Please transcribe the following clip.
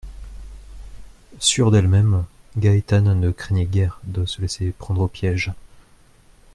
Sûre d’elle-même, Gaétane ne craignait guère de se laisser prendre au piège.